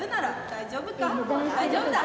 大丈夫だ。